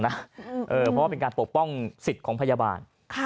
เพราะว่าเป็นการปกป้องสิทธิ์ของพยาบาล